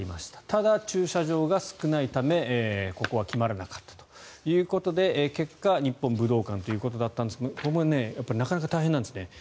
ただ、駐車場が少ないためここは決まらなかったということで結果、日本武道館ということだったんですがここもなかなか大変なんですね。